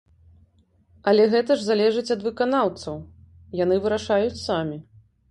Але гэта ж залежыць ад выканаўцаў, яны вырашаюць самі.